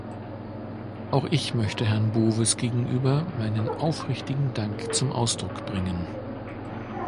Auch ich möchte Herrn Bowis gegenüber meinen aufrichtigen Dank zum Ausdruck bringen.